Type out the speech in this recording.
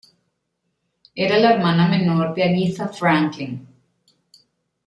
Era la hermana menor de Aretha Franklin.